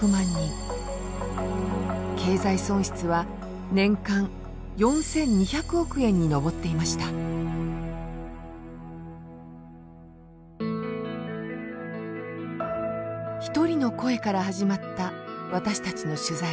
経済損失は年間４，２００億円に上っていました一人の声から始まった私たちの取材。